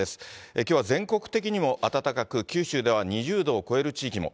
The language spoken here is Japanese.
きょうは全国的にも暖かく、九州では２０度を超える地域も。